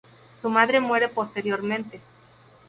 Su madre muere posteriormente.